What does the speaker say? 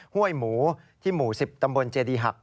ห้วยหมูที่หมู่๑๐ตำบลเจดีหัก